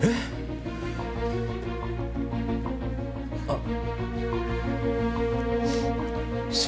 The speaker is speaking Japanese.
あっ。